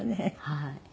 はい。